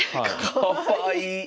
かわいい！